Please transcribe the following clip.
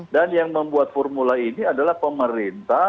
yang membuat formula ini adalah pemerintah